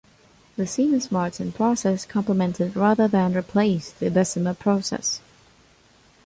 The Siemens-Martin process complemented rather than replaced the Bessemer process.